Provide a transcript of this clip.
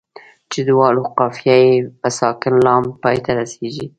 چې دواړو قافیه یې په ساکن لام پای ته رسيږي.